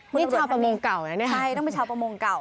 นี่ชาวประมงเก่านะเนี่ยใช่ต้องเป็นชาวประมงเก่า